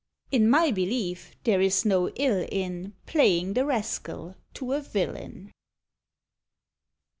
In my belief there is no ill in Playing the rascal to a villain.